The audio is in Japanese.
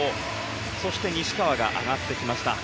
そして西川が上がってきました。